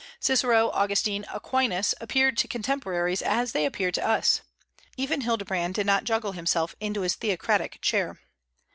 Cicero, Augustine, Aquinas, appeared to contemporaries as they appear to us. Even Hildebrand did not juggle himself into his theocratic chair.